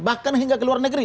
bahkan hingga ke luar negeri